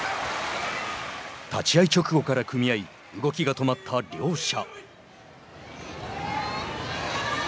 立ち合い直後から組み合い動きが止まった両者。